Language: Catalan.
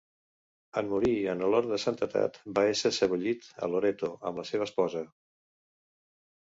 En morir en olor de santedat, va ésser sebollit a Loreto, amb la seva esposa.